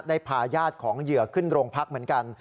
พาญาติของเหยื่อขึ้นโรงพักเหมือนกัน